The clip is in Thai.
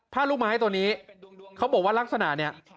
ลูกไม้ตัวนี้เขาบอกว่าลักษณะเนี่ย